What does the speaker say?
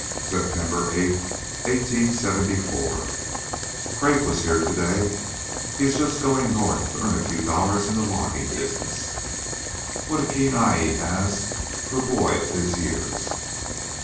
"SEPTEMBER 8, 1874. Craik was here to day; he is just going North to earn a few dollars in the logging business. What a keen eye he has for a boy of his years!